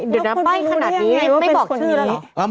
เดี๋ยวคุณใบ้ขนาดนี้ไม่บอกชื่อแล้วเหรอ